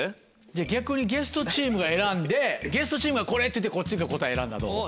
逆にゲストチームが選んでゲストチームがこれって言ってこっちが答え選んだらどう？